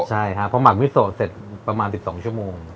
ใช่ครับพอหมักวิโสเสร็จประมาณ๑๒ชั่วโมง